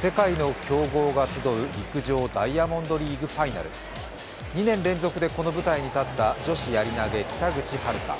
世界の強豪が集う陸上ダイヤモンドリーグファイナル２年連続でこの舞台に立った女子やり投げ北口榛花。